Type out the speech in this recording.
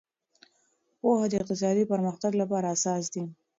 پوهه د اقتصادي پرمختګ لپاره اساس دی.